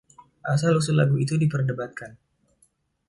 Asal usul lagu itu diperdebatkan.